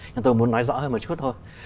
nhưng tôi muốn nói rõ hơn một chút thôi